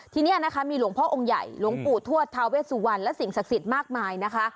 ทีนี้นะคะมีหลวงพ่อองค์ใหญ่หลวงปู่ทวดทาเวสุวรรณและสิ่งศักดิ์สิทธิ์มากมายนะคะ